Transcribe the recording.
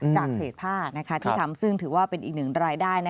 จากเศษผ้าที่ทำซึ่งถือว่าเป็นอีกหนึ่งรายได้